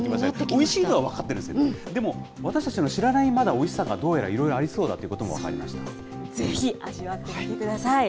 おいしいのは分かってるんですけどね、でも、私たちの知らない、まだおいしさが、どうやらいろいろありそうだということも分かりぜひ、味わってみてください。